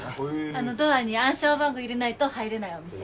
あのドアに暗証番号入れないと入れないお店。